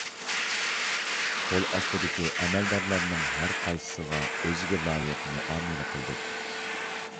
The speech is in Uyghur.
قول ئاستىدىكى ئەمەلدارلارنىڭ ھەر قايسىسىغا ئۆزىگە لايىق مۇئامىلە قىلىدۇ.